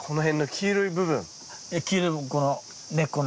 黄色い部分この根っこのね。